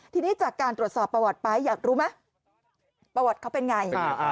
ทีนี้จากการตรวจสอบประวัติไปอยากรู้ไหมประวัติเขาเป็นไง